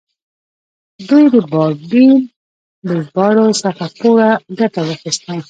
دوی د بایبل له ژباړو څخه پوره ګټه واخیسته.